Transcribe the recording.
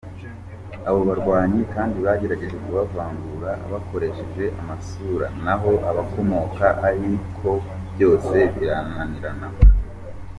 Abo barwanyi kandi bagerageje kubavangura bakoresheje amasura n’aho bakomoka ariko byose birananirana.